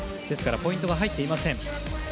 ですからポイントが入っていません。